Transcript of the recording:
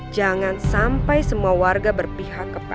jangan sampai semua warga berpihak kepada